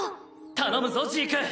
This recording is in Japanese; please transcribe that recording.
頼むぞジーク！